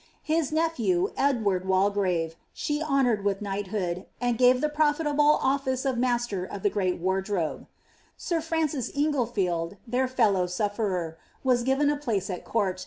Hia nephew, Ed ward Walgrave,' she honoured with knighthood, and gave ihe proliuible office of master of llie great wardrobe. Sir Francis Inglelield, their fellow sutrerer, was given a place at courl.